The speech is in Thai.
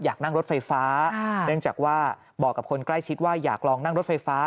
อยากนั่งรถไฟฟ้าเนื่องจากว่าบอกกับคนใกล้ชิดว่าอยากลองนั่งรถไฟฟ้า